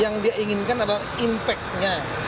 yang dia inginkan adalah impact nya